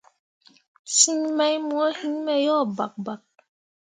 Siŋ mai mo heme yo bakbak.